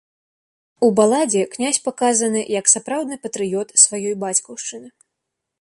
У баладзе князь паказаны як сапраўдны патрыёт сваёй бацькаўшчыны.